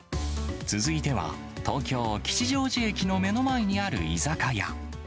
続いては、東京・吉祥寺駅の目の前にある居酒屋。